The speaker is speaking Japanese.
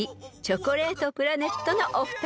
チョコレートプラネットのお二人］